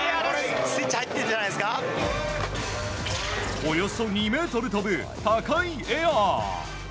およそ２ｍ跳ぶ高いエア。